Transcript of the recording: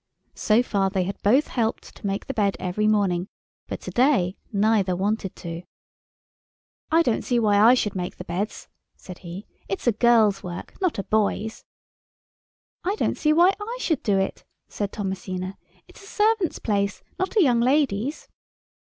So far they had both helped to make the bed every morning, but to day neither wanted to. "I don't see why I should make the beds," said he; "it's a girl's work, not a boy's." "I don't see why I should do it," said Thomasina; "it's a servant's place, not a young lady's."